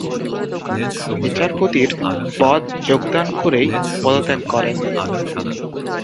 বিচারপতির পদ যোগদান করেই পদত্যাগ করেন।